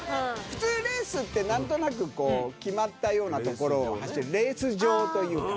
普通、レースってなんとなく決まったようなところを走るレース場というか。